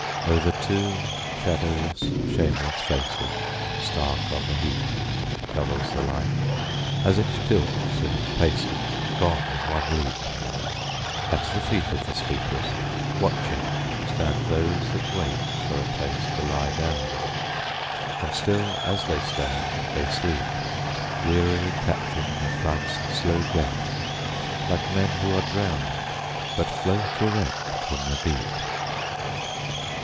Over two shadowless, shameless facesStark on the heapTravels the light as it tilts in its pacesGone in one leap.At the feet of the sleepers, watching, Stand those that waitFor a place to lie down; and still as they stand, they sleep, Wearily catchingThe flood's slow gaitLike men who are drowned, but float erect in the deep.